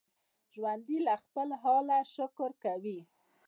ژوندي له خپل حاله شکر کوي